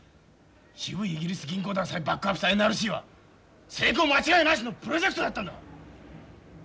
渋いイギリス銀行団さえバックアップしたＮＲＣは成功間違いなしのプロジェクトだったんだ！